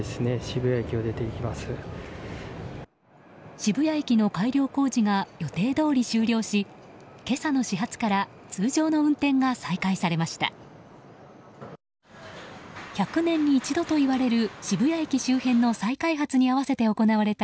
渋谷駅の改良工事が予定どおり終了し今朝の始発から通常の運転が再開されました。